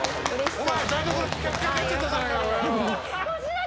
お前